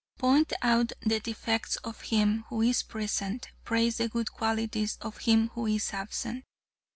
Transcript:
Point out the defects of him who is present; praise the good qualities of him who is absent.